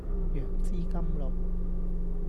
楊枝甘露